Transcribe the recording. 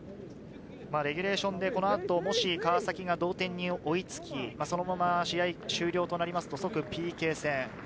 レギュレーションでもし川崎が同点に追いつき、そのまま試合終了となりますと、即ＰＫ戦。